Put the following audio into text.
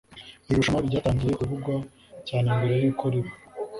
Iri rushanwa ryatangiye kuvugwa cyane mbere y’uko riba